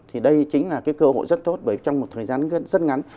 thì đây chính là cái cơ hội rất tốt bởi trong một thời gian rất ngắn